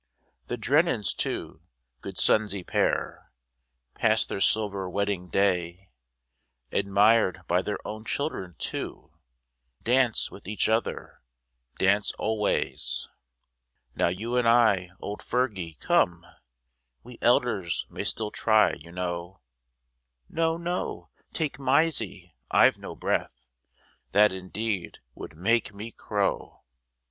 The Drennens too, good sonsy pair, Passed their silver wedding day, 139 END OF HARDEST. Admired by their own children too, Dance with each other, dance alway. Now you and I, old Fergie, come, We elders may still try, you know, No, no ! take Mysie, I've no breath, That indeed would make me crow